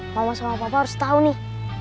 mama sama bapak harus tau nih